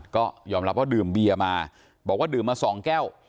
ก็ยอมรับว่าดื่มเบียมาบอกว่าดื่มมา๒แก้ว